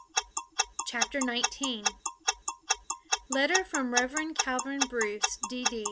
Chapter Nineteen [Letter from Rev. Calvin Bruce, D.D.